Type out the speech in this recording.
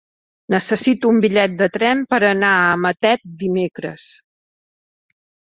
Necessito un bitllet de tren per anar a Matet dimecres.